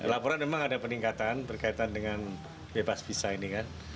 laporan memang ada peningkatan berkaitan dengan bebas visa ini kan